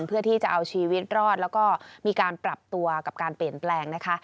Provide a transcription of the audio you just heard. เพื่อที่จะเอาชีวิตรอดแล้วก็มีการปรับตัวกับการเปลี่ยนแปลงนะคะ